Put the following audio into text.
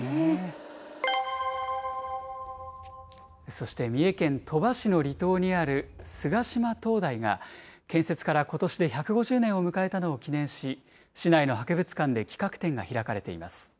そして三重県鳥羽市の離島にある菅島灯台が、建設からことしで１５０年を迎えたのを記念し、市内の博物館で企画展が開かれています。